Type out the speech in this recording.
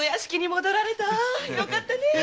よかったね。